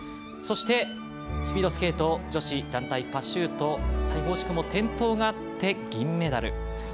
そして、スピードスケート女子団体パシュート最後、惜しくも転倒があって銀メダル。